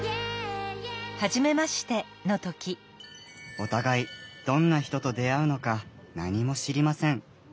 お互いどんな人と出会うのか何も知りません。